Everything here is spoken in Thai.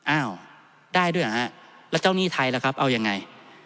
อ้าวได้ด้วยเหรอฮะแล้วเจ้าหนี้ไทยล่ะครับเอายังไง